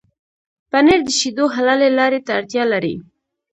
پنېر د شيدو حلالې لارې ته اړتيا لري.